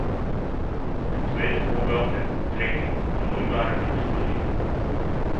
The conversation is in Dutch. Het tweede voorbeeld heeft betrekking op vloeibare explosieven.